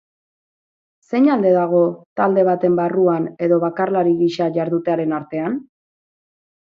Zein alde dago talde baten barruan edo bakarlari gisa jardutearen artean?